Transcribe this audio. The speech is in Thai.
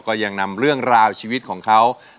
ก็ยังนำเรื่องราวชีวิตของเขา